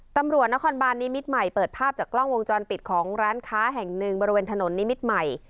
ตำรวจนครบานนิมิตรใหม่เปิดภาพจากกล้องวงจรปิดของร้านค้าแห่งหนึ่งบริเวณถนนนิมิตรใหม่